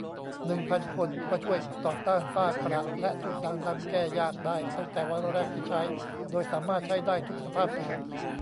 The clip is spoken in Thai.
หนึ่งพัน คน ว่าช่วยต่อต้านฝ้า กระ และจุดด่างดำแก้ยากได้ตั้งแต่วันแรกที่ใช้ โดยสามารถใช้ได้ทุกสภาพผิว